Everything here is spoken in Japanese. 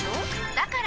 だから！